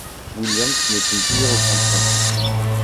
Williams ne compte toujours aucun point.